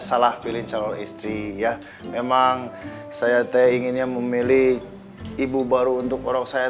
salah pilih calon istri ya memang saya inginnya memilih ibu baru untuk orang saya